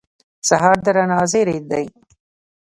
سهار د رڼا زېری دی.